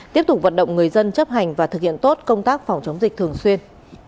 tiếp tục vận động người dân chấp hành và thực hiện tốt công tác phòng chống dịch thường xuyên